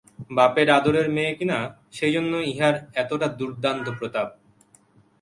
বাপের আদরের মেয়ে কিনা, সেইজন্য ইহার এতটা দুর্দান্ত প্রতাপ।